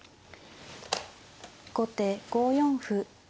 後手５四歩。